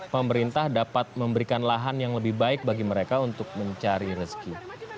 pemerintah dapat memberikan lahan yang lebih baik bagi mereka untuk mencari rezeki